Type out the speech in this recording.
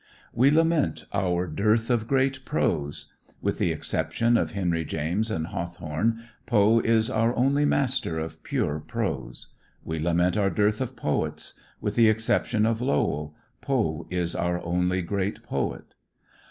We lament our dearth of great prose. With the exception of Henry James and Hawthorne, Poe is our only master of pure prose. We lament our dearth of poets. With the exception of Lowell, Poe is our only great poet.